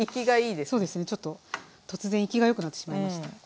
そうですねちょっと突然生きがよくなってしまいました。